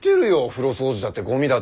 風呂掃除だってごみだって。